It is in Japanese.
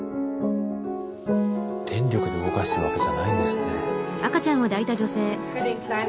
電力で動かしてるわけじゃないんですね。